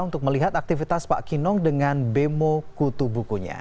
untuk melihat aktivitas pak kinong dengan demo kutub bukunya